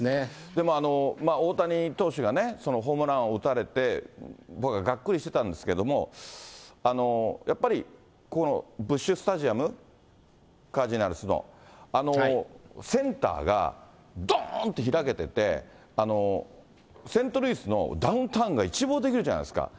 でも大谷投手がホームランを打たれて、僕はがっくりしてたんですけども、やっぱりこのブッシュスタジアム、カージナルスの、センターがどーんって開けてて、セントルイスのダウンタウンが一望できるじゃないですか。